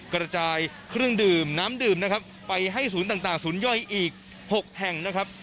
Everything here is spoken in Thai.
กระจายเครื่องดื่มน้ำดื่มนะครับไปให้ศูนย์ต่างศูนย่อยอีก๖แห่งนะครับ